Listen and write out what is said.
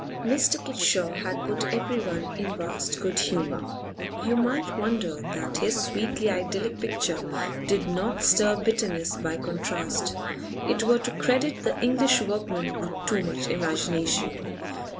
Mr. Kitshaw had put everyone in vast good humour. You might wonder that his sweetly idyllic picture did not stir bitterness by contrast; it were to credit the English workman with too much imagination.